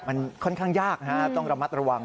มันค่อนข้างยากต้องระมัดระวัง